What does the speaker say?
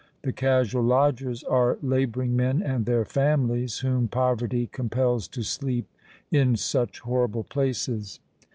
The casual lodgers are labouring men and their families whom poverty compels to sleep in such horrible places.